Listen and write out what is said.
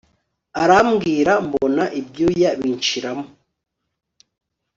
Arambwira mbona ibyuya binshiramo